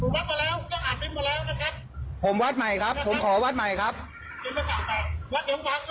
วัดให้ผมใหม่ครับผมวัดมาแล้วก็อ่านไม่มาแล้วนะครับ